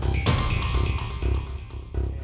tapi itu kamu taruh ya